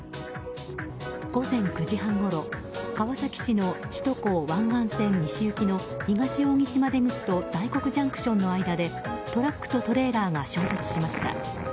午前９時半ごろ、川崎市の首都高湾岸線西行きの東扇島出口と大黒ＪＣＴの間でトラックとトレーラーが衝突しました。